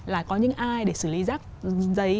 là có những ai để xử lý rác giấy